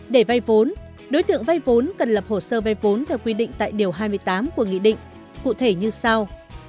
để vay vốn đối tượng vay vốn cần lập hồ sơ vay vốn theo quy định tại điều hai mươi tám của nghị định cụ thể như sau